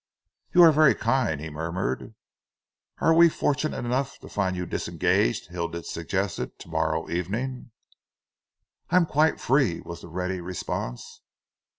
"You are very kind," he murmured. "Are we fortunate enough to find you disengaged," Hilditch suggested, "to morrow evening?" "I am quite free," was the ready response.